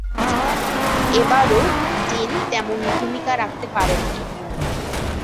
এবারও ডিন তেমন ভূমিকা রাখতে পারেননি।